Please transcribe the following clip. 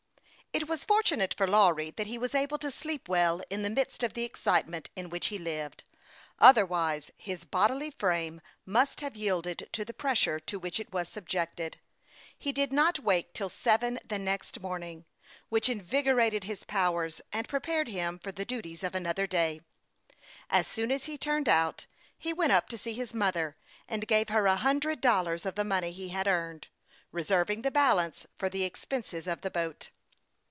IT was fortunate for Lawry that he was able to sleep well in the midst of the excitement in which he lived ; otherwise his bodily frame must have yielded to the pressure to which it was subjected. He did not wake till seven the next morning, hav ing thus obtained fvdl eight hours of rest, which invigorated his powers, and prepared him for the arduous duties of another day. As soon as he turned out, he went up to see his mother, and gave her a hundred dollars of the money he had earned, re serving the balance for the expenses of the boat.